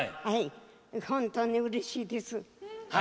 本当にうれしいです。